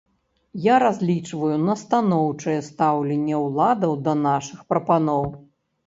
Я разлічваю на станоўчае стаўленне ўладаў да нашых прапаноў.